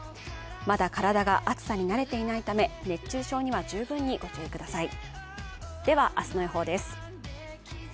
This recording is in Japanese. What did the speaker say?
まだ体が熱さに慣れていないため熱中症には十分に御注意ください。